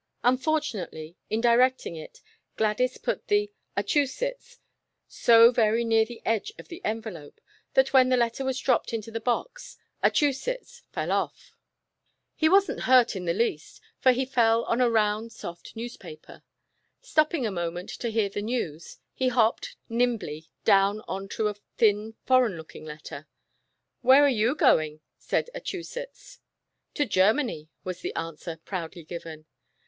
Unfortu nately, in directing it, Gladys put the acJmsetts so very near the edge of the envelope, that when the letter was dropped into the box " Achusetts " 242 '' Achusetts's Ride to Philadelphia." 243 fell off. He wasn't hurt in the least, for he fell on a round soft newspaper. Stopping a moment to hear the news, he hopped nimbly down on to a thin foreign looking letter. "Where are you going?" said Achusetts. "To Germany," was the answer, proudly given.